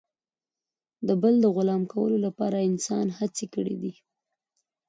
د بل د غلام کولو لپاره انسان هڅې کړي دي.